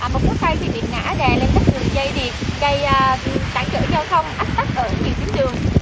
một cây bị ngã đè lên các đường dây điện cây tảng trở giao thông ách tắt ở nhiều chiến đường